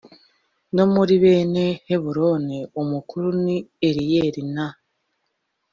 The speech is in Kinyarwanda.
no muri bene heburoni umukuru ni eliyeli na